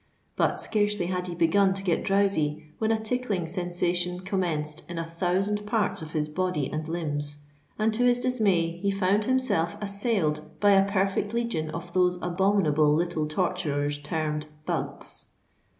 But scarcely had he begun to get drowsy, when a tickling sensation commenced in a thousand parts of his body and limbs; and, to his dismay, he found himself assailed by a perfect legion of those abominable little torturers termed bugs.